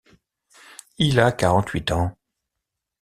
Il a quarante-huit ans.